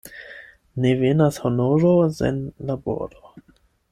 Ne venas honoro sen laboro.